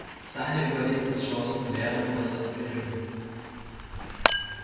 Seine Überlebenschancen wären äußerst gering.